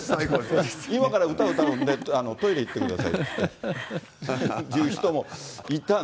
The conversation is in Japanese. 今から歌、歌うんで、トイレ行ってくださいっていう人もいた。